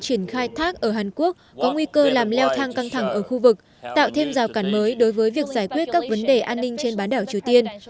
triển khai thác ở hàn quốc có nguy cơ làm leo thang căng thẳng ở khu vực tạo thêm rào cản mới đối với việc giải quyết các vấn đề an ninh trên bán đảo triều tiên